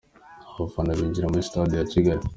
Abafana binjira kuri sitade ya Kigali.